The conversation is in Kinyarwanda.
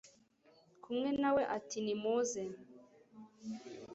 kumwe na we ati ni muze